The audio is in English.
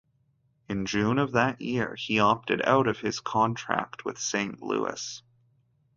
In June of that year, he opted out of his contract with Saint Louis.